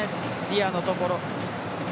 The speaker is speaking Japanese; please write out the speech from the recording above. ディアのところ。